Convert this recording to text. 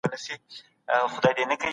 زرڅهره